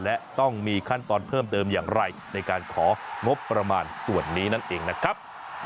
และต้องมีขั้นตอนเพิ่มเติมอย่างไรในการของงบประมาณส่วนนี้นั่นเองนะครับ